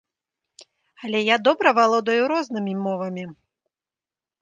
Але я добра валодаю рознымі мовамі.